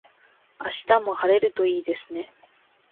明日も晴れるといいですね。